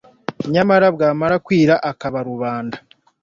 nyamara bwamara kwira akaba rubanda